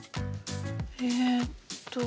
えっと。